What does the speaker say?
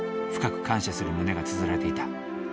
深く感謝する旨がつづられていた。